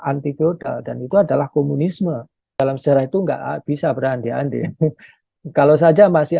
antifodal dan itu adalah komunisme dalam sejarah itu enggak bisa berhenti henti kalau saja masih